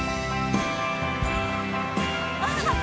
あっ！